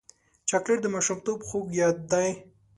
چاکلېټ د ماشومتوب خوږ یاد دی.